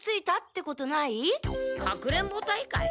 かくれんぼ大会？